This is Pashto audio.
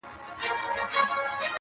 نه په حورو پسي ورک به ماشومان سي!.